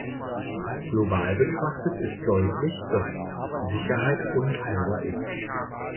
Global betrachtet ist deutlich, dass Sicherheit unteilbar ist.